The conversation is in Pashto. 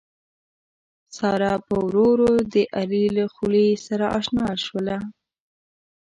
ساره پّ ورو ورو د علي له خوي سره اشنا شوله